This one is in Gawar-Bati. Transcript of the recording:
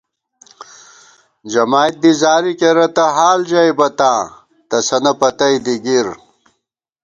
جمائید دی زاری کېرہ تہ حال ژَئیبہ تاں ، تسَنہ پتئ دی گِر